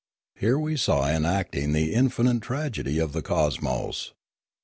Here we saw enacting the infinite tragedy of the cosmos.